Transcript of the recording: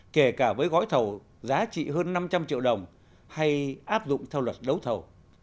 kể cả với gói thầu giá trị hơn năm trăm linh triệu đồng hay áp dụng theo luật đấu thầu